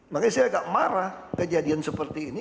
makanya saya agak marah kejadian seperti ini